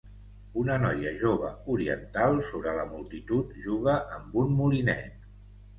Una noia jove oriental sobre la multitud juga amb un molinet